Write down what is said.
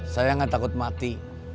saya gak takut mati